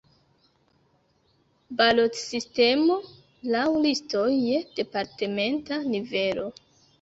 Balotsistemo laŭ listoj je departementa nivelo.